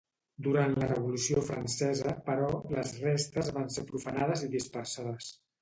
Durant la Revolució francesa, però, les restes van ser profanades i dispersades.